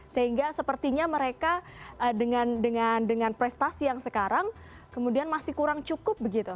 sehingga sepertinya mereka dengan prestasi yang sekarang kemudian masih kurang cukup begitu